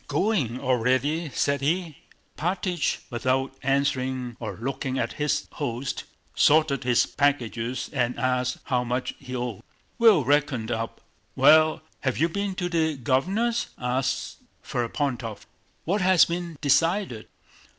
"Going already?" said he. Alpátych, without answering or looking at his host, sorted his packages and asked how much he owed. "We'll reckon up! Well, have you been to the Governor's?" asked Ferapóntov. "What has been decided?"